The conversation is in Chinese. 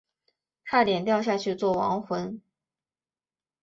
差点掉下去做亡魂